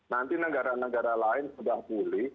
nanti negara negara lain sudah pulih